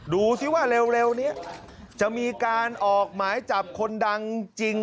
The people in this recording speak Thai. ดูสิว่าเร็วนี้จะมีการออกหมายจับคนดังจริง